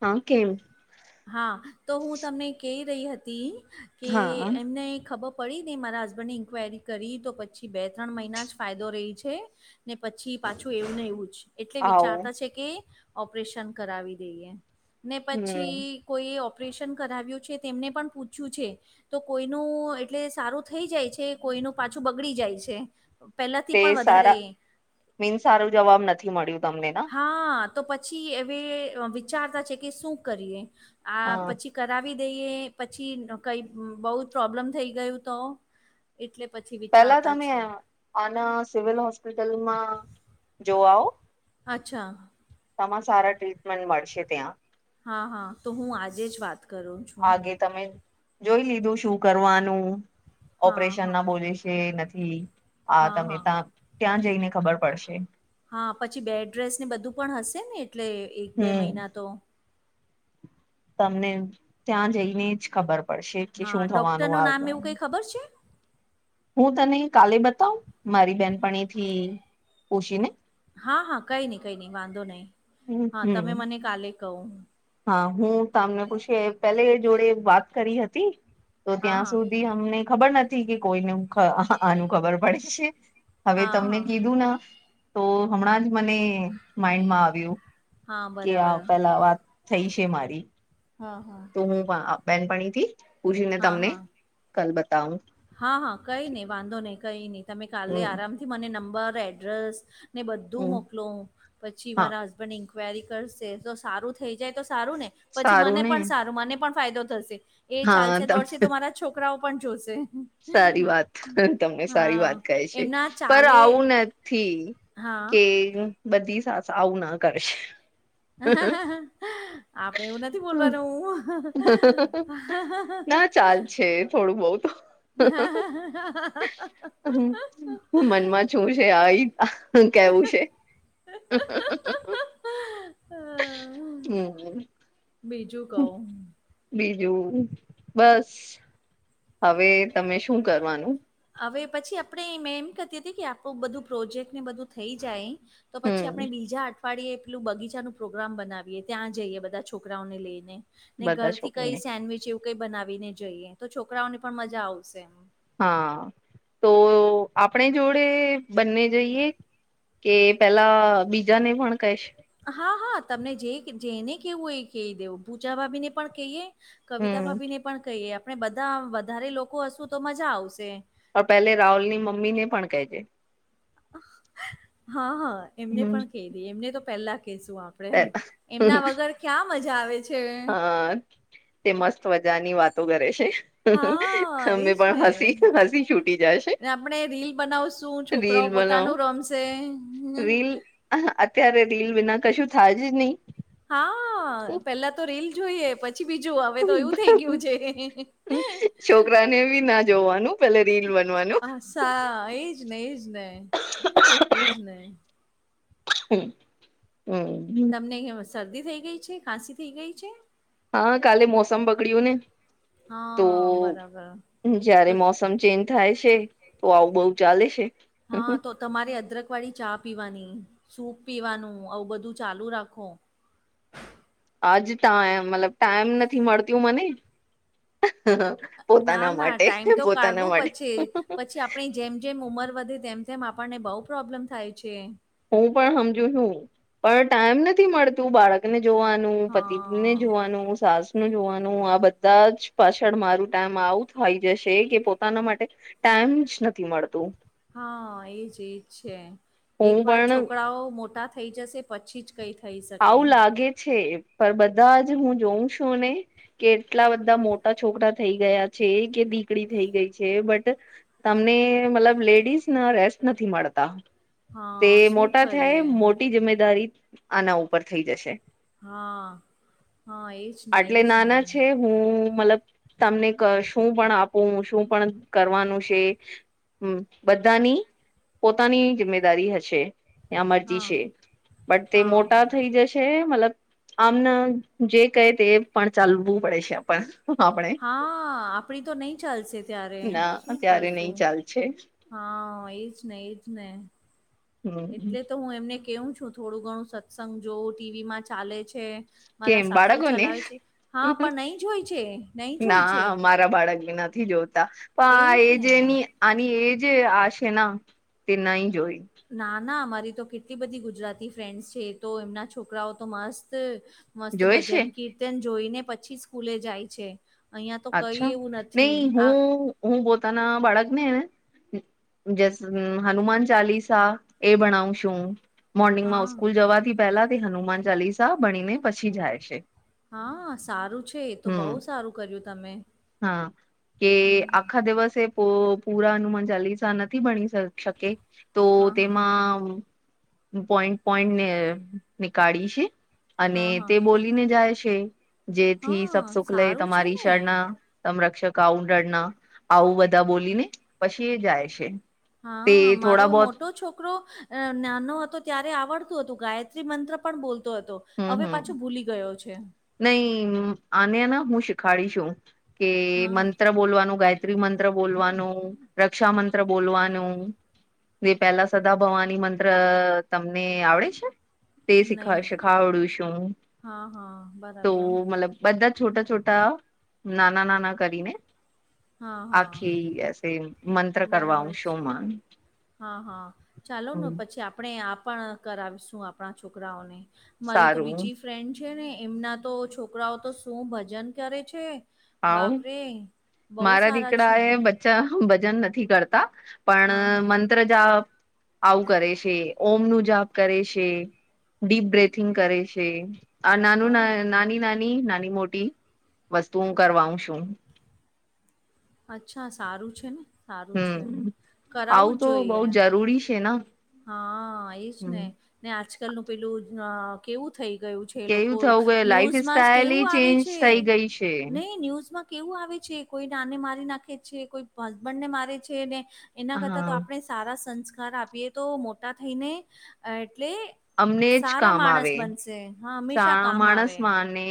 હા કેમ? હા તો હું તમને ક રહી હતી કે હા એમને ખબર પડીનેં મારા હસબન્ડની ઇન્ક્વાયરી કરી તો પછી બે ત્રણ મહિના જ ફાયદો રહી છે. ને પછી પાછું એવું ને એવું જ એટલે આવું વિચારતા છે કે ઓપરેશન કરાવી દઈએ ને પછી હમ કોઈએ ઓપરેશન કરાવ્યું છે તેમને પણ પૂછ્યું છે. તો કોઈનું એટલે સારું થઈ જાય છે કોઈનું પાછું બગડી જાય છે. પહેલાંથી તે પણ સારા વધારે મીન સારું જવાબ નથી મળ્યું તમને ના હા તો પછી હવે વિચારતા છે કે શું કરીએ આ હા પછી કરાવી દઈએ પછી કઈ બહુ જ પ્રોબ્લમ થઈ ગયું તો એટલે પછી પેલા વિચારતા તમે છે. આના સિવિલ હોસ્પિટલમાં જોવાઓ અચ્છા. તમા સારા ટી મન મળશે ત્યાં હા હા તો હું આજે જ વાત કરું છું આગે તમે જોઈ લીધું શું કરવાનું હા ઓપરેશન હા ના બોલે છે નથી. હા તમે ત્યાં ત્યાં જઈને ખબર પડશે. હા પછી બેડ્રેસ ને બધું પણ હશે ને એટલે એક બે હમ મહિના તો તમને ત્યાં જઈને જ ખબર પડશે કે હા શું થવાનું ડૉક્ટરનું આગળ નામ એવું કંઈ ખબર છે. હું તને કાલે બતાવ મારી બેનપણી થી ઓછીને હા હા કઈ નઈ કઈ નઈ વાંધો નહીિ હા તમે હમ મને કાલે કહું હા હું તમને પૂછી પેલે જોડે વાત કરી હતી. તો હા ત્યાં હા સુધી અમને ખબર નથી કે કોઈને આનું ખબર પડે છે. હવે હા તમને હા કીધું ના તો હમણાં જ મને માઈન્ડમાં આવ્યું. હા કે આ બરાબર પેલા વાત થઈ છે મારી હા હા. તો હું બેનપણીથી પૂછીને તમને હા કલ બતાવું. હા હા કઈ નહી વાંધો નહી કઈ નહી તમે કાલે આરામથી મને નંબર એડ્રેસ ને બધું હમ મોકલો પછી હા મારા હસબન્ડ ઇન્ક્વાયરી કરશે તો સારું થઇ જાય તો સારું ને. પછી સારું મને ને પણ સારું મને પણ ફાયદો થશે એ હા ચાલશે ત દોડશે તો મારા છોકરાઓ પણ જોશે. સારી વાત તમને સારી હા વાત કહે છે એમના પર ચાલે આવું નથી. હા કે બધી સા આવું ના કરશે. હ આપડે એવું નથી બોલવાનું હું ના ચાલ છે. હે થોડું બહુત હા હા. હ મનમાં છું છે આ કેવું છે? [inaudible] હમ. બીજું કહું બીજું બસ હવે તમે શું કરવાનું? હવે પછી આપડણે મેં એમ કતી હતી કે આપણું બધું પ્રોજેક્ટ ને બધું થઈ જાય તો પછી હમ આપણે બીજા આઠ ફાડીી એ પેલું બગીચાનું પ્રો્રામ બનાવીએ ત્યાં જઈએ બધા છોકરાઓને લઈને ને બધા ઘરથી છોકરીને કઈ સેન્ડવીચ એવું કઈ બનાવીને જઈએ તો છોકરાઓને પણ મજા આવશે એ હા. તો આપણે જોડે બંને જઈએ. કે પેલા બીજાને પણ કહે છે. હા હા તમને જે જેને કેવું એ કહી દેવું પૂચા ભાભી ને પણ કહીએ કવિતા હમ ભભીને પણ કહીએ આપણે બધા વધારે લોકો હશું તો મજા આવશે પણ પહેલે રાહુલ ની મમ્મી ને પણ કહેજે હા હા એમને હમ પણ ક દી એમને તો પહેલા કશું, આપ આપડે પેલા એમના વગર ક્યાં મજા આવે છે. હા તે મસ્ત મજા ની વાતો કરે છે. હા, એજ અમે પણ ને હસી હસી છૂટી જાય છે આપણેે રીલ બનાવશું રીલ છોકરાઓ, બનાવ પોતાનું રમશે હ આા અત્યારે રીલ વિના, કશું થાય જ નહી હા, પેલા તો રીલ જોઈએ પછી પછી, બીજું આવે તો એવું થઈ ગયું છે. છોકરાને બી ના જોવાનું પેલે રીલ બનવાનું હ સાા, એજ ને એજ ને એ જ નહી હમ-હમ તમને શરદી થઈ ગઈ છે ખાંસી થઈ ગઈ છે. હા કાલે મોસમ બગડ્યું ને તો હા, બરાબર જયારે તો મોસમ ચેન્જ થાય છે, તો આવું બઉ ચાલે છે. હા તો તમારે અદરક વાળી ચા પીવાની સૂપ પીવાનું આવું બધું ચાલુ રાખો આજ ત એમ મતલબ ટાઈમ નથી, મળતું મને ના પોતાના ના માટે ટાઈમ તો પોતાના કાઢવું માટે પછી પછી આપણી, જેમ જેમ ઉંમર વધે તેમ તેમ આપણને બહુ પ્રોબ્લેમ થાય છે. હુ પણ સમજુ છુ, પણ ટાઈમ નથી મળતું બાળકને જોવાનું પતિ ને હા જોવાનું સાસ નું જોવાનું આ બધા જ પાછળ મારું ટાઈમ આવું થઈ જશે કે પો પોતાના માટે ટાઈમ જ નથી, મળતું હા, એજ એજ છે. હું એક વાર પણ છોકરાઓ મોટા થઈ જશે પછી જ કઈ થાય છે. આવું લાગે છે પણ બધા જ હું જોઉં છુ. ને કેટલા બધા મોટા છોકરા થઈ ગયા છે કે દીકડી થઈ ગઈ છે. બટ તમને મતલબ લેડીઝ ના રેસ્ટ નથી, મળતા તે હા શું મોટા થાય કરીએ મોટી જમેદારી આના ઉપર થઈ જશે હા હા એજ નહી આટલે એજ નાના નહી છે હું મતલબ તમને શું પણ આપું શું પણ કરવાનું છે. હમ બધાની પોતાની જિમ્મેદારી હશે ત્યાં મરજી હા છે. બટ તે હા મોટા થઈ જશે મતલબ આમને જે કહે તે પણ ચાલવું પડે છે. આપણ આપણે હા, આપડી તો નહી. ચાલશે ત્યારે ના શું અત્યારે કરશુ નહી ચાલ છે હા, એજ નને એજ નહ હમ એટલે તો હુ એમને કેવું છુ, થોડું ઘણું સત્સંગ જોઉું ટીવી માં ચાલે છે. મારા કેમ સાસુ બાળકોને ચલાવે છે, હા પણ નહી જોય છે નહી જોય ના છે. મારા બાળકને નથી જોતા પણ એજ એ ને જેની આ એ જે આશે ના તે નઈ જોઈ ના ના અમારી તો કેટલી બધી ગુજરાતી ફ્રેન્ડસ છે, તો એમના છોકરાઓ તો મસ્ત મસ્ત જોય છે ભજન કીર્તન જોઈને પછી સ્કૂલે જાય છે. અહિયાં તો કઈ અચ્છા એવું નથી નઈ આ હું હું પોતાના બાળકનેને જસ હનુમાન ચાલીસા એ ભણાવ છુ. હું મોર્નિંગમાં હા સ્સ્કૂલ જવાથી પહેલા તે હનુમાન ચાલીસા બનીને પછી જાય છે. હા સારું છે, એ તો બહુ હમ સારું કર્યું તમે હા, કે આખા દિવસ એ તો પૂરા હનુમાન ચાલીસા નથી ભણી શકે તો હા હા તેમાં પોઈન્ટ પોઈન્ટને ની કાળી છે, અને હા હા તે બોલીને જાય છે, જેથી સપ હા શુક્લય સારું છે તમારી ને તમ રક્ષક આઉ ડરના આવું બધા બોલીને પછી એ જાય છે તે હા, મારો થોડા બહોત મોટો છોકરો અ નાનો હતો ત્યારે આવડતું હતું ગાયત્રી મંત્ર પણ બોલતો હતો હવે પાછો ભૂલી ગયો છે, નઈ આનેને હું શીખાડીશું કે હા મંત્ર બોલવાનું ગાય ત્રી મંત્ર બોલવાનું રક્ષા મંત્ર બોલવાનું જે પેલા સદા ભવાની મંત્ર તમને આવડે છે, તે નહી શીખવાશે ખાવડું છું હા હા તો બરાબર મતલબ બધા છોટા છોટા નાના નાના કરીને હા હા આખી એસે મંત્ર કરવા બરાબર છે શું માન હા, હા ચાલો ને પછી આપણે આ પણ કરાવીશું આપણા છોકરાઓને મારી તો સારું બીજી ફ્રેન્ડ છે ને એમના તો છોકરાઓ તો શું ભજન કરે છે, આવ બાપરે બહુ મારા સારા દીકરા છે એ ભજન નથી કરતા પણ હા હા મંત્ર જાપ આવું કરે છે ઓમ નું જાપ કરે છે, ડીપ બ્રેથિંગ કરે છે આ નાનું હા નાની નાની નાની મોટી તું કરવા છું, અચ્છા સારું છે ને સારું છે હમ કરાવું આવું જ તો બહુ જોઈએ, જરૂરી છે, ના હા, એજ ને ને આજકાલ ન પેલું કેવું થઈ ગયું છે, કેવું લોકો થવું કે લાઈફ ન્યૂઝમાં સ્ટાઈલ કેવું આવે ચેન્જ છે થઈ ગઈ છે નહી ન્યૂઝમાં કેવું આવે છે, કોઈ નાને મારી નાખે છે કોઈ હસબન્ડ ને મારે છે ને એના કરતા હા તો આપણે સારા સંસ્કાર આપીએ તો મોટા થઈને એટલે અમને જ સારા કામ આવે માણસ બનશે, હા હંમેશા કામ આવે માણસમાં અને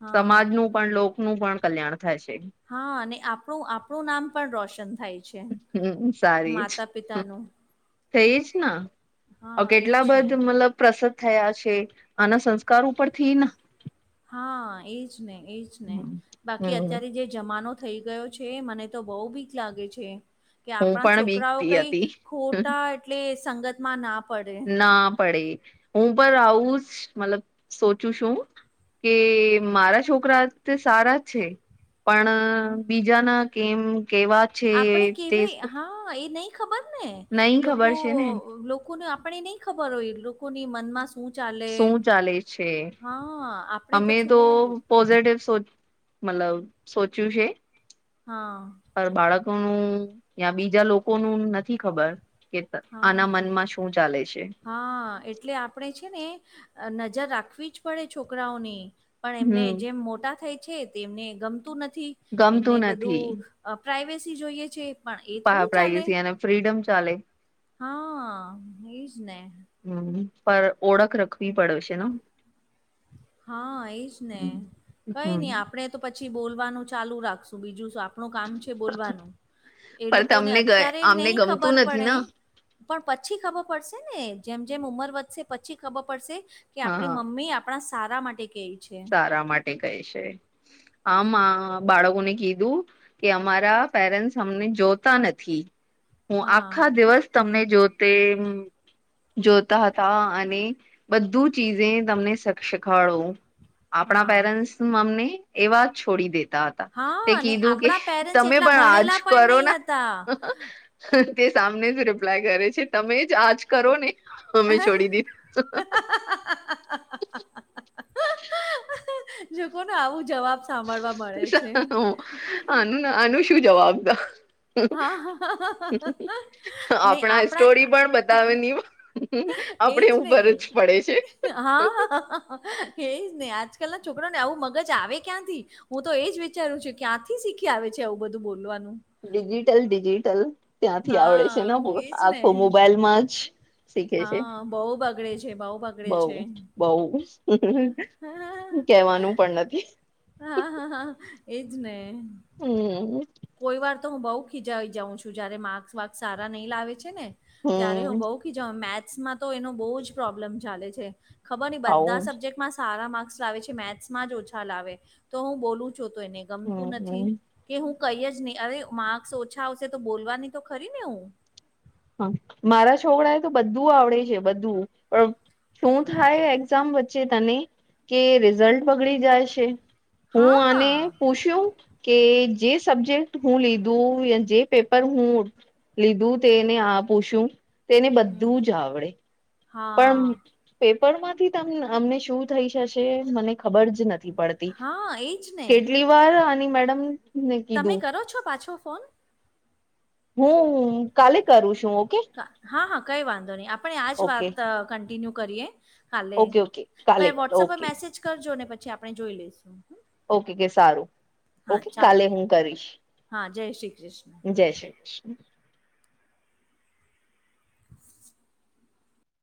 હા. સમાજનું પણ લોકનું પણ કલ્યાણ થાય છે. હા, અને આપણું આપણું નામ પણ રોશન થાય છે, હમ સારી માતા જ પિતા નું થઈ જ ને એજ કેટલા ને. બધ મતલબ પ્રસધ થયા છે, આના સંસ્કાર ઉપર થી હા, એજ ને એજ ને હમ બાકી અત્યારે હું જે જમાનો થઈ ગયો છે, મને તો બહુ ભીક લાગે છે, કે આપણા પણ છોકરાઓ બીકતી કઈ હતી ખોટા એટલે સંગત માં ના પડે. ના પડે હું પણ આવું જ મતલબ સોચું શું કે મારા છોકરા તે સારા જ છે, હમ્મ, પણ બીજાના કેમ કેવા છે આપણે તે કેવી હા, એ નહી ખબર ને નહી લોકો ખબર છે ને લોકો આપણે નહી ખબર હોય લોકોની મનમાં શું ચાલે શું ચાલે છે હા, આપણે અમે પછું તો બઉ પોઝિટિવ સો મતલબ સોચ્યું છે, હા, પર બાળકોનું યા બીજા લોકોનું નથી ખબર કે આના હા. મનમાં શું ચાલે છે, હા, એટલે આપણે છે ને નજર રાખવી જ પડે છોકરાઓને પણ એમને હમ જેમ મોટા થાય છે, તે એમને ગમતું નથી એમને ગમતું નથી બધું પ્રાઇવેસી જોઈએ છે, પણ એ થોડી ચાલે. પ્રઇવેસી અને ફ્રીડમ ચાલે હા, એજ ને હમ પર ઓળખ રખવી પડેશે ને હા એજ ને હમ કઈ નહી આપણેે તો પછી બોલવાનું ચાલુ રાખશું બીજું. આપણું કામ છે બોલવાનું એ પણ લોકોને તમને અત્યારે આમને નહી ખબર ગમતું નથી પડે ને પણ પછી ખબર પડશે ને જેમ જેમ ઉંમર વધશે પછી ખબર પડશે કે હા આપણી મમ્મી આપણા સારા માટે કે સારા માટે કહે છે આમ બાળકોને કીધું. કે અમારા પેરેન્ટ્સ અમને જોતા નથી હું હા આખા દિવસ તમને જોતે જોતા હતા અને બધું ચીજે તમને શીખાડો આપણા હા પેરેન્ટ્સ અમને એવા જ છોડી દેતા હતા. તે હા અને કીધું કે આપણા પેરેન્ટ્સ તમે એટલા પણ આજ ભણેલા પણ કરો નહી હતા ના તે સામને જ રિપ્લાય કરે છે તમે જ આજ કરો ને અમે છોડી હ હ [inaudible] જો કોને આવું જવાબ. સાંભળવા મળે છે આનું આનું શું જવાબ દ હા નને આપણા સ્ટોરી પણ બતાવે નહી એજ આપણે મે ઉપર જ પડે છે હા હ કે જ નહી આજકાલ ના છોકરા ને આવું મગજ આવે ક્યાંથી. હું તો એજ વિચારું છું ક્યાંથી શીખી આવે છે આવું બધું બોલવાનું ડિજિટલ ડિજિટલ ત્યાંથી આવડે છે હા ને બ એજ ને આખો મોબાઈલમાં જ શીખે છે હા બહુ બગડે છે બહુ બગડે બઉ છે બહ હા કવાનું પણ નથી. હા હા હા એજ ને. હમ. કોઈ વાર તો હું બહુ ખીજાવી જાઉં છું જયારે માર્ક્ વાક્સ સારા નહીં લાવે છે ને ત્યારે હમ હું બહ.. મેથ્સમાં તો એનો બહુ જ પ્રોબ્લેમ ચાલે છે ખબર ન બધા આવું સબ્જેક્ટમાં. સારા માર્ક્સ લાવે છે મેથ્સમાં જ ઓછા લાવે તો હું બોલું છું તો એને ગમતું નથી. હમ કે હું કઈ જ નહી અરે માર્ક્સ ઓછા આવશે તો બોલવાની તો ખરી ને હું. હ મારા છોકરા એ તો બધું આવડે છે બધું પણ. શું થાય એક્ઝામ વચ્ચે તને કે રિઝલ્ટ બગડી જાય છે. હું હા આને પૂછ્યું. કે જે સબ્જેક્ટ હું લીધું જે પેપર હું લીધું તે. એને આપ પૂછું તે એને હમ, બધું જ આવડે. પણ હા પેપરમાંથી ત અમને શું થઈ જશે મને ખબર જ નથી. પડતી હા એ જ ને કેટલી વાર આની મેડમ ને તમે કીધું કરો છો પાછો ફોન [inaudible] કરું છું ઓકે હા હા કઈ વાંધો નહી આપણે આજ ઓકે વાત કિન્યુ કરી હાલે ઓકે ઓકે કાલે પ વોટપ ઓકે મેજ કરજો ને પછી આપણેે જોઈ લઈેશું. ઓકે કે સારું ઓકે ચાલો કાલે હું કરીશ. હા જય શ્રી કૃષ્ણ જય શ્રી કૃષ્ણ.